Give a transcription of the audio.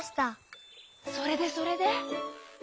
それでそれで？